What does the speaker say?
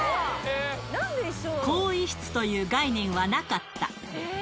更衣室という概念はなかった。